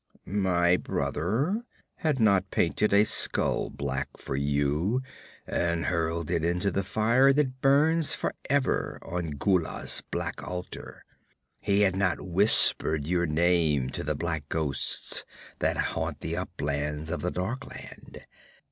'My brother had not painted a skull black for you and hurled it into the fire that burns for ever on Gullah's black altar. He had not whispered your name to the black ghosts that haunt the uplands of the Dark Land.